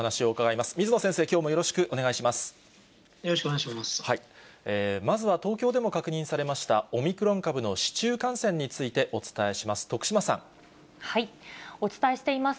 まずは東京でも確認されました、オミクロン株の市中感染について、お伝えします。